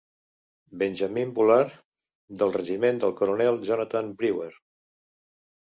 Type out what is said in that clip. Benjamin Bullard, del regiment del coronel Jonathan Brewer.